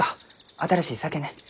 新しい酒ね。